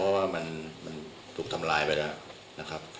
เพราะว่ามันถูกทำลายไปแล้วนะครับ